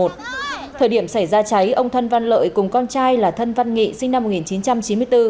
thời điểm xảy ra cháy ông thân văn lợi cùng con trai là thân văn nghị sinh năm một nghìn chín trăm chín mươi bốn